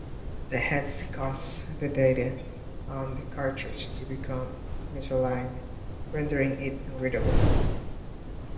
The heads caused the data on the cartridge to become misaligned, rendering it unreadable.